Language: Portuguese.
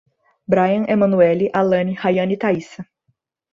Bryan, Emanueli, Alane, Raiana e Taíssa